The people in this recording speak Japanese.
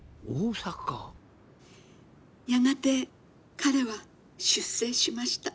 「やがて彼は出征しました。